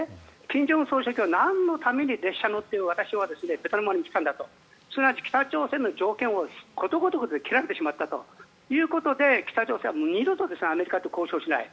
金正恩総書記はなんのために列車に乗って私はベトナムまで来たんだと。すなわち北朝鮮の条件をことごとく蹴られてしまったということで北朝鮮は二度とアメリカと交渉しない。